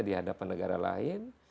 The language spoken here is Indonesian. di hadapan negara lain